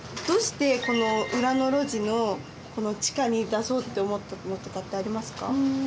どうしてこの裏の路地のこの地下に出そうって思ったのとかってありますか？